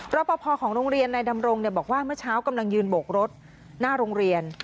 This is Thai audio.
รอปภของโรงเรียนนายดำรงบอกว่าเมื่อเช้ากำลังยืนโบกรถหน้าโรงเรียน